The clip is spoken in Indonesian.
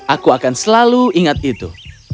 aku akan selalu ingat itu